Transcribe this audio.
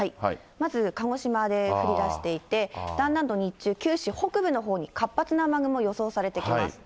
まず鹿児島で降りだしていて、だんだんと日中、九州北部のほうに活発な雨雲、予想されてきます。